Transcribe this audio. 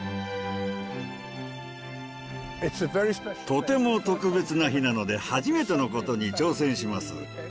とても特別な日なので初めてのことに挑戦します。